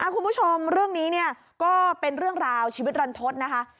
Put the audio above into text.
คุณผู้ชมเรื่องนี้เนี่ยก็เป็นเรื่องราวชีวิตรันทศนะคะ